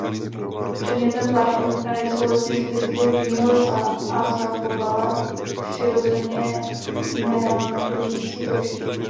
Předmětem zvláštní ochrany jsou vesměs zbytky lužního lesa a zachovalé přirozeně meandrující toky.